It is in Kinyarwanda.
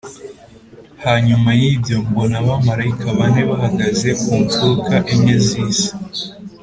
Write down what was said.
Hanyuma y’ibyo mbona abamarayika bane bahagaze ku mpfuruka enye z’isi